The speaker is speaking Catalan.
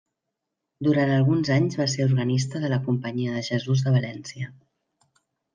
Durant alguns anys va ser organista de la Companyia de Jesús de València.